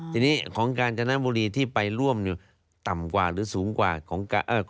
ทีนี้ของกาญจนบุรีที่ไปร่วมเนี่ยต่ำกว่าหรือสูงกว่าของ